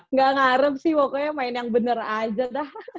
nggak ngarem sih pokoknya main yang bener aja dah